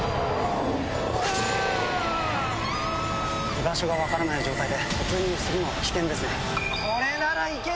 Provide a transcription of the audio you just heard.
・居場所が分からない状態で突入するのは危険ですね・